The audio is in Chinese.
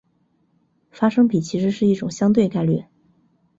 发生比其实是一种相对概率。